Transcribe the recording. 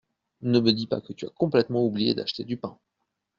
Ne me dis pas que tu as complètement oublié d’acheter du pain !